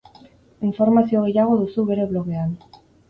Informazio gehiago duzu bere blogean.